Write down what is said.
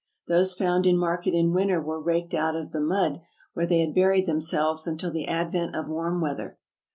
Those found in market in winter were raked out of the mud, where they had buried themselves until the advent of warm weather.